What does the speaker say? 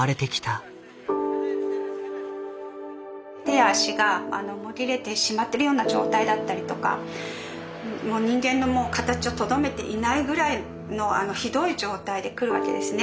手や足がもぎれてしまってるような状態だったりとかもう人間の形をとどめていないぐらいのひどい状態で来るわけですね。